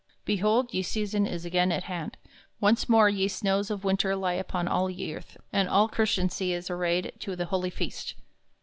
Behold, ye season is again at hand; once more ye snows of winter lie upon all ye earth, and all Chrystantie is arrayed to the holy feast.